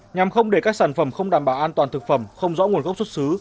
nhằm không để các sản phẩm không đảm bảo an toàn thực phẩm không rõ nguồn gốc xuất xứ